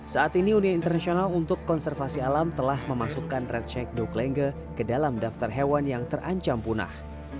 saat ini uni internasional untuk konservasi alam telah memasukkan red sheikh doklenge ke dalam daftar hewan yang terancam punah